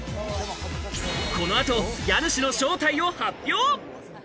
この後、家主の正体を発表。